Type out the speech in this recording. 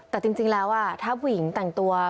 แต่จริงแล้วถ้าผู้หญิงแต่งตัว